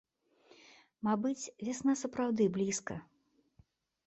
Мабыць, вясна сапраўды блізка.